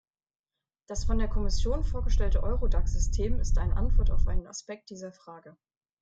Das von der Kommission vorgestellte Eurodac-System ist eine Antwort auf einen Aspekt dieser Frage.